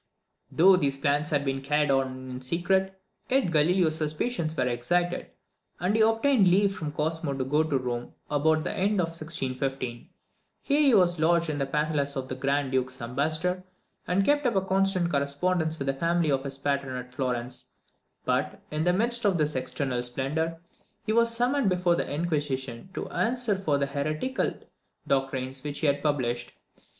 Though these plans had been carried on in secret, yet Galileo's suspicions were excited; and he obtained leave from Cosmo to go to Rome about the end of 1615. Here he was lodged in the palace of the Grand Duke's ambassador, and kept up a constant correspondence with the family of his patron at Florence; but, in the midst of this external splendour, he was summoned before the inquisition to answer for the heretical doctrines which he had published.